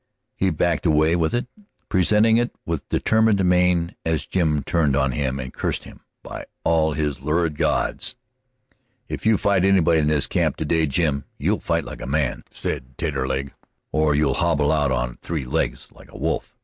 He backed away with it, presenting it with determined mien as Jim turned on him and cursed him by all his lurid gods. "If you fight anybody in this camp today, Jim, you'll fight like a man," said Taterleg, "or you'll hobble out of it on three legs, like a wolf."